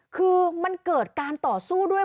คือมันเกิดการต่อสู้ด้วย